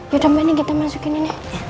yaudah mbak ini kita masukin ini